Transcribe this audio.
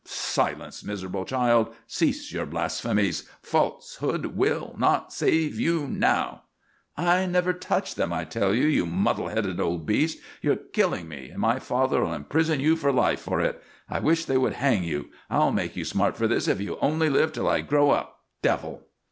"Silence, miserable child! Cease your blasphemies. Falsehood will not save you now!" "I never touched them, I tell you, you muddle headed old beast! You're killing me, and my father'll imprison you for life for it. I wish they could hang you. I'll make you smart for this if you only live till I grow up devil!"